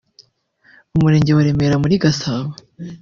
Umurenge wa Remera muri Gasabo